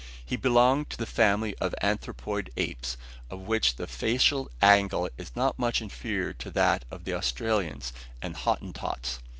He belonged to the family of anthropoid apes, of which the facial angle is not much inferior to that of the Australians and Hottentots.